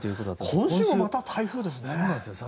今週もまた台風ですね。